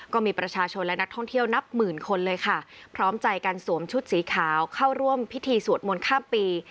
ก็มีประชาชนและนักท่องเที่ยวนับหมื่นคนเลยค่ะพร้อมใจกันสวมชุดสีขาวเข้าร่วมพิธีสวดมนต์ข้ามปี